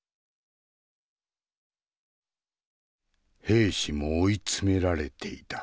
兵士も追い詰められていた。